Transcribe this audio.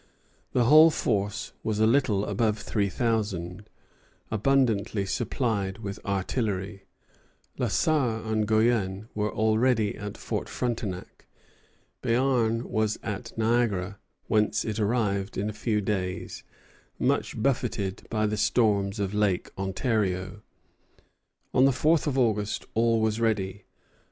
The whole force was a little above three thousand, abundantly supplied with artillery. La Sarre and Guienne were already at Fort Frontenac. Béarn was at Niagara, whence it arrived in a few days, much buffeted by the storms of Lake Ontario. On the fourth of August all was ready.